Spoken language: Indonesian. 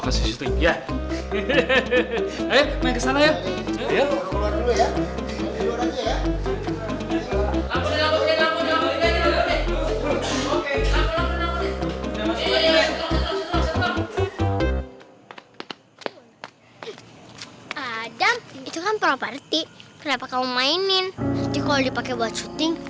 adem itu kan properti kenapa kamu mainin kalau dipakai buat syuting